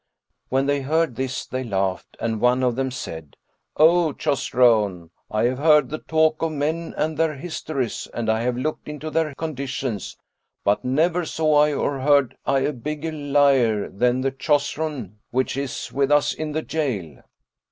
When they heard this they laughed and one of them said, "O Chosroan,[FN#25] I have heard the talk of men and their histories and I have looked into their conditions; but never saw I or heard I a bigger liar than the Chosroan which is with us in the jail."